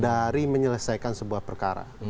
dari menyelesaikan sebuah perkara